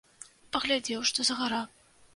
Паглядзеў, што за гара.